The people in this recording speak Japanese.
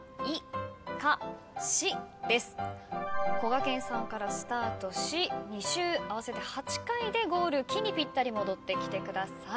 こがけんさんからスタートし２周合わせて８回でゴール「き」にぴったり戻ってください。